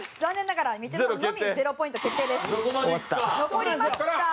残りました